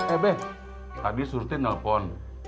eh be tadi surutin telepon